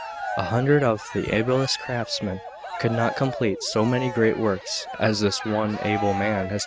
A hundred of the ablest craftsmen could not complete so many great works as this one able man has taken in hand to do.